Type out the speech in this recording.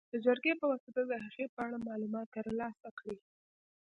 د جرګې په واسطه د هغې په اړه معلومات تر لاسه کړي.